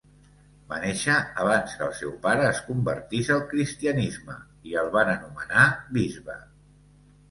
Va néixer abans que el seu pare es convertís al cristianisme i el van anomenar bisbe.